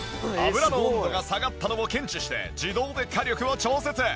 油の温度が下がったのを検知して自動で火力を調節。